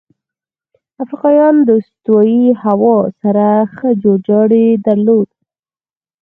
افریقایان د استوایي هوا سره ښه جوړجاړی درلود.